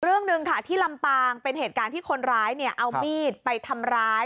เรื่องหนึ่งค่ะที่ลำปางเป็นเหตุการณ์ที่คนร้ายเนี่ยเอามีดไปทำร้าย